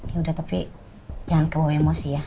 ya udah tapi jangan keluar emosi ya